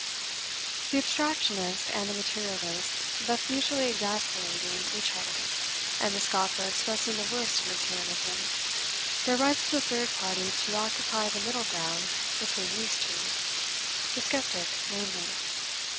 The abstractionist and the materialist thus mutually exasperating each other, and the scoffer expressing the worst of materialism, there arises a third party to occupy the middle ground between these two, the skeptic, namely.